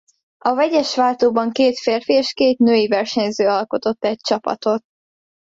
A vegyes váltóban két férfi és két női versenyző alkotott egy csapatot.